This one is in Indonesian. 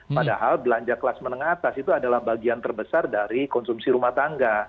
padahal belanja kelas menengah atas itu adalah bagian terbesar dari konsumsi rumah tangga